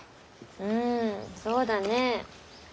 うんそうだね。